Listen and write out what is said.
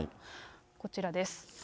こちらです。